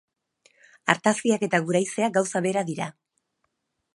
Artaziak eta guraizeak gauza bera dira.